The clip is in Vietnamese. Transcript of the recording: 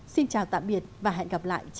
xin chào tạm biệt và hẹn gặp lại